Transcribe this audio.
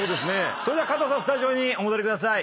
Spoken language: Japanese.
それでは加藤さんスタジオにお戻りください。